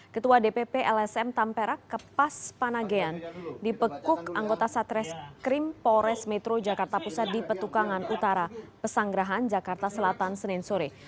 ketua dpp lsm tampera kepas panagean dipekuk anggota satres krim polres metro jakarta pusat di petukangan utara pesanggerahan jakarta selatan senin sore